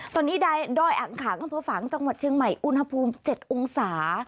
ตอนนี้ได้ด้อยอ่างขังพระฝังจังหวัดเชียงใหม่อุณหภูมิเจ็ดองศา